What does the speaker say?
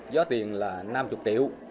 giá tiền là năm mươi triệu